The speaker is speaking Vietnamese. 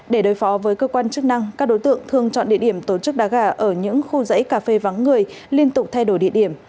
để đối phó với cơ quan chức năng các đối tượng thường chọn địa điểm tổ chức đá gà ở những khu dãy cà phê vắng người liên tục thay đổi địa điểm